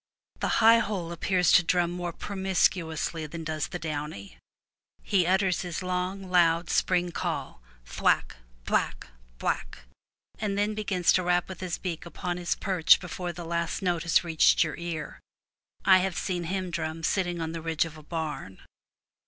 The high hole appears to drum more promiscuously than does the downy. He utters his long, loud spring call, whick — whick — whick, and then begins to rap with his beak upon his perch before the last note has reached your ear. I have seen him drum sitting upon the ridge of a barn.